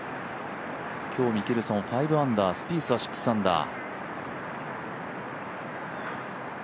今日、ミケルソン５アンダー、スピースは６アンダー。